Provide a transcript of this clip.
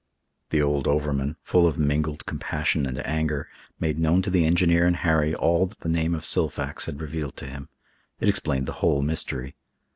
The old overman, full of mingled compassion and anger, made known to the engineer and Harry all that the name of Silfax had revealed to him. It explained the whole mystery.